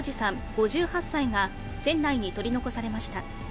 ５８歳が船内に取り残されました。